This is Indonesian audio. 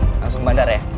mas langsung bandar ya